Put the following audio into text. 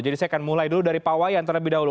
jadi saya akan mulai dulu dari pak iwayan terlebih dahulu